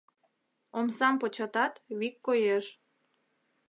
Омсам початат, вик коеш.